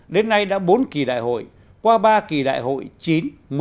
đến nay đã bốn kỳ đại hội qua ba kỳ đại hội chín một mươi một mươi một